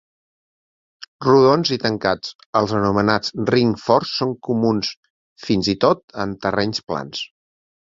Rodons i tancats, els anomenats "ring forts" són comuns fins i tot en terrenys plans.